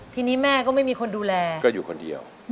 ทีนี้แม่ก็ไม่มีคนดูแลก็อยู่คนเดียว